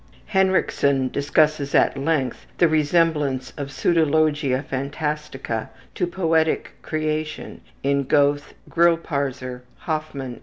Hinrichsen discusses at length the resemblance of pseudologia phantastica to poetic creation in Goethe, Grillparzer, Hoffman, and others.